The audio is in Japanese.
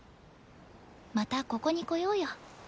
またここに来ようよ。